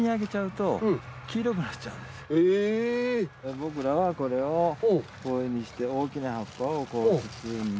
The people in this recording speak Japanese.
僕らはこれをこういうふうにして大きな葉っぱをこう包んで。